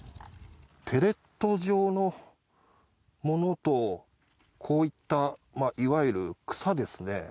ペレット状のものといわゆる草ですね。